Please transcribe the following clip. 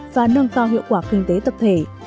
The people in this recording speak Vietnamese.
và nâng cao hiệu quả kinh tế tập thể